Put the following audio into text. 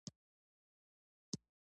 پسه په ژمي کې د پيشو په څېر په اور کې ناست و.